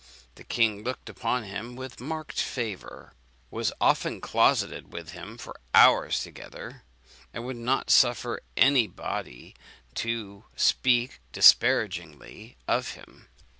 The king looked upon him with marked favour, was often closeted with him for hours together, and would not suffer any body to speak disparagingly of him.